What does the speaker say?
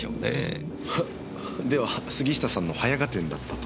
では杉下さんの早合点だったと？